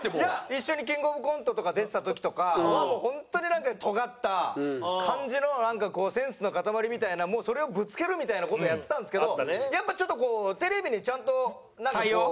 一緒にキングオブコントとか出てた時とか本当になんかとがった感じのセンスの塊みたいなそれをぶつけるみたいな事をやってたんですけどやっぱちょっとこうテレビにちゃんと。